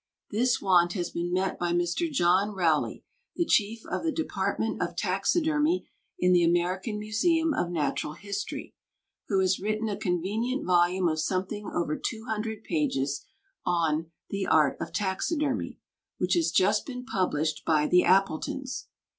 This want has been met by Mr. John Rowley, the chief of the Department of Taxidermy in the American Museum of Natural History, who has written a convenient volume of something over two hundred pages on "The Art of Taxidermy," which has just been published by the Appletons.